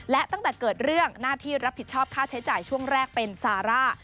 และตั้งแต่เกิดเรื่องหน้าที่รับผิดชอบค่าใช้จ่ายช่วงแรกเป็นซาร่า